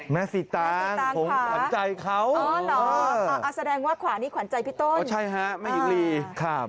แม่สิตางค่ะผมขวานใจเขาอ๋อเหรออาจแสดงว่าขวานี่ขวานใจพี่ต้นอ๋อใช่ฮะไม่อินลีครับ